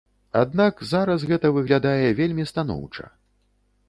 Аднак зараз гэта выглядае вельмі станоўча.